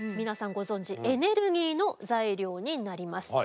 ご存じエネルギーの材料になります。